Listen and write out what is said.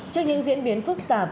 trước những diễn biến phức tạp